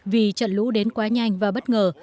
vì trận lũ đến quá nhanh và bất ngờ